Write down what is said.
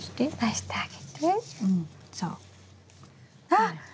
あっ！